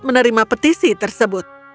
dia menerima petisi tersebut